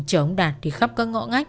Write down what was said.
chở ông đạt đi khắp các ngõ ngách